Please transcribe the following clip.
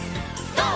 ＧＯ！